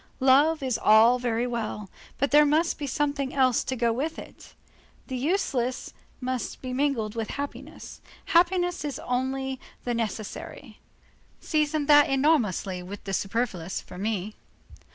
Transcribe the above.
"Love is all very well; but there must be something else to go with it. The useless must be mingled with happiness. Happiness is only the necessary. Season that enormously with the superfluous for me.